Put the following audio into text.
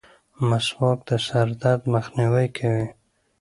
مسواک د سر درد مخنیوی کوي.